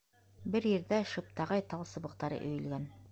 Бер ерҙә шыптағай тал сыбыҡтары өйөлгән.